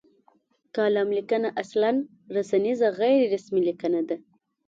کالم لیکنه اصلا رسنیزه غیر رسمي لیکنه ده.